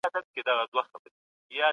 علمي کدرونه د هیواد سرمایه ده.